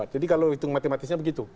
jadi kalau hitung matematisnya begitu